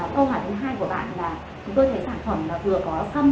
còn là câu hỏi thứ hai của bạn là chúng tôi thấy sản phẩm là vừa có xăm